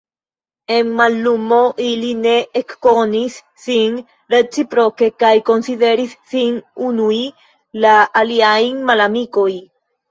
En mallumo ili ne ekkonis sin reciproke kaj konsideris sin unuj la aliajn malamikoj.